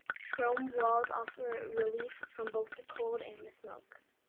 Trombe walls offer relief from both the cold and the smoke.